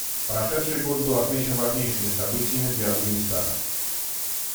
Прошедший год был отмечен важнейшими событиями для Афганистана.